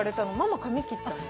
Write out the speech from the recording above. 「ママ髪切ったの？」